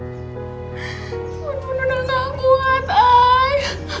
bun bun udah gak kuat ay